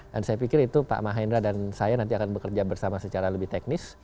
dan saya pikir itu pak mahendra dan saya nanti akan bekerja bersama secara lebih teknis